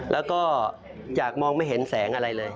แล้วก็จากมองไม่เห็นแสงอะไรเลย